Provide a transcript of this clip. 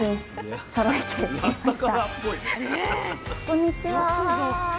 こんにちは！